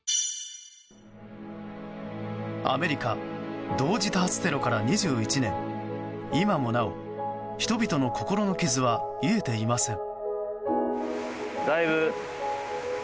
アメリカ同時多発テロから２１年今もなお人々の心の傷は癒えていません。